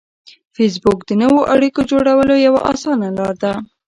فېسبوک د نوو اړیکو جوړولو یوه اسانه لار ده